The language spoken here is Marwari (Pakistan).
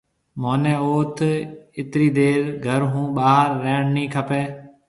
مهوني اوٿ اِترِي دير گهر هون ٻاهر رهڻ نِي کپيَ۔